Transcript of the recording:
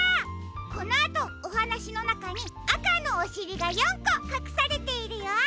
このあとおはなしのなかにあかのおしりが４こかくされているよ。